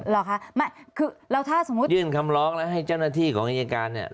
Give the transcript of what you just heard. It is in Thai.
เหรอคะไม่คือแล้วถ้าสมมุติยื่นคำร้องแล้วให้เจ้าหน้าที่ของอายการเนี่ย